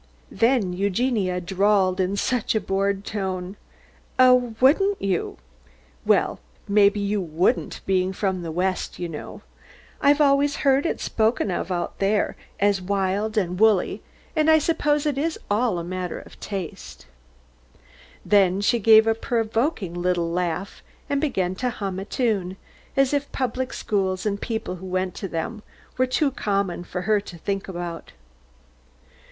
Then Eugenia drawled in such a bored tone, "Oh, wouldn't you! Well, maybe you wouldn't, being from the West, you know. I've always heard it spoken of out there as wild and woolly, and I suppose it is all a matter of taste." Then she gave a provoking little laugh, and began to hum a tune, as if public schools and people who went to them were too common for her to think about.